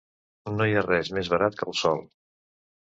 No hi ha res més barat que el sol.